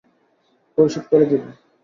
পরিশোধ করে দিব।